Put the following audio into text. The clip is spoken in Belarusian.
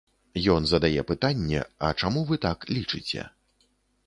Ён задае пытанне, а чаму вы так лічыце.